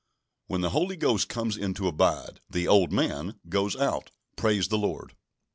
When the Holy Ghost comes in to abide, "the old man" goes out. Praise the Lord!